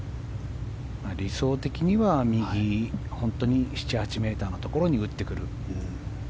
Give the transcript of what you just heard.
理想的には右本当に７８ｍのところに打ってくる。